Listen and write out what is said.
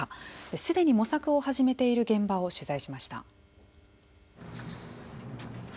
すでに模索を始めている現場を取材しました。